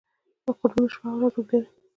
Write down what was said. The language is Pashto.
د قطبونو شپه او ورځ اوږده وي.